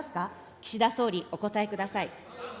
岸田総理、お答えください。